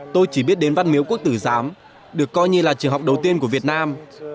tôi chỉ biết đến văn miếu quốc tử giám được coi như là trường học đầu tiên của việt nam